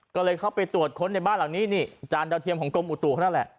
ก็เลยเข้าไปตรวจค้นในบ้านหลังนี้นี่จานดาวเทียมของกรมอุตุเขานั่นแหละ